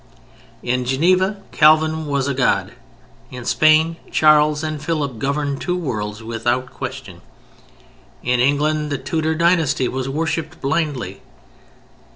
In Geneva Calvin was a god. In Spain Charles and Philip governed two worlds without question. In England the Tudor dynasty was worshipped blindly.